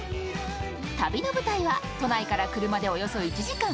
旅の舞台は、都内から車でおよそ１時間。